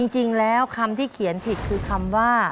จริงแล้วคำที่เขียนผิดคือคำว่า